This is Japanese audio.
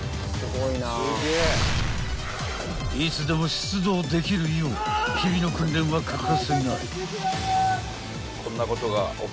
［いつでも出動できるよう日々の訓練は欠かせない］